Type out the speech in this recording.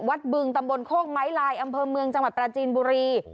บึงตำบลโคกไม้ลายอำเภอเมืองจังหวัดปราจีนบุรี